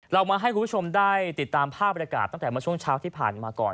เรามาให้คุณผู้ชมได้ติดตามภาพบรรยากาศตั้งแต่เมื่อช่วงเช้าที่ผ่านมาก่อน